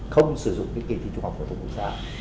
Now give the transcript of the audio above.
không sử dụng kỳ thi trung học của tổ quốc gia